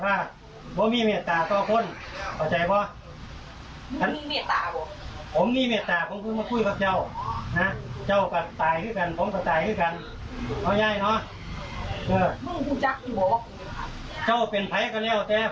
เจ้ากับตายด้วยกันผมก็ตายด้วยกันเอาไงเนอะเจ้าเป็นไพกันแล้วแต่ผม